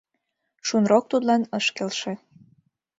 Шунрок тудлан ыш келше.